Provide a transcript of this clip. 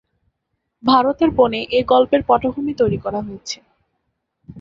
ভারতের বনে এ গল্পের পটভূমি তৈরী করা হয়েছে।